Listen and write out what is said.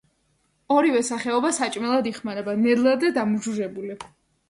ორივე სახეობა საჭმელად იხმარება ნედლად და დამუჟუჟებული.